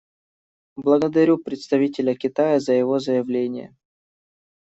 Благодарю представителя Китая за его заявление.